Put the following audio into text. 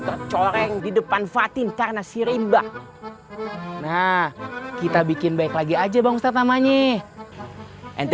tercoreng di depan fatin karena sirim bah nah kita bikin baik lagi aja bangstab namanya ente